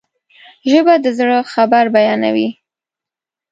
ژبه د زړه خبر بیانوي